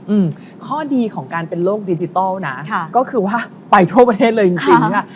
อืมข้อดีของการเป็นโลกดิจิทัลนะค่ะก็คือว่าไปทั่วประเทศเลยจริงจริงเนี้ย